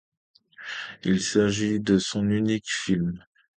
Il s'agit de son unique film.